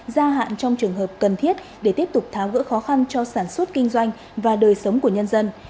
gia hạn trong trường hợp cần thiết để tiếp tục tháo gỡ khó khăn cho sản xuất kinh doanh và đời sống của nhân dân